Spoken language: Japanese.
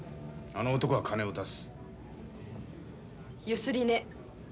あの男は金を出す。ゆすりね。